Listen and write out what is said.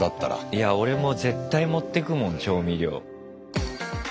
いや俺も絶対持ってくもん調味料。